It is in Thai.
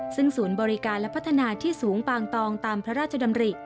ซึ่งศูนย์บริการและพัฒนาที่สูงปางตองตามพระราชดำริ